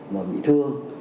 mà bị thương